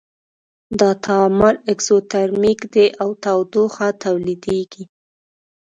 دا تعامل اکزوترمیک دی او تودوخه تولیدیږي.